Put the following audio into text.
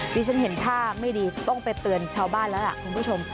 ที่ฉันเห็นท่าไม่ดีต้องไปเตือนชาวบ้านแล้วล่ะคุณผู้ชม